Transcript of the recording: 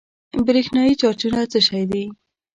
برېښنايي چارجونه څه شی دي؟